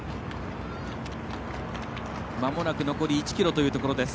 まもなく残り１ｋｍというところです。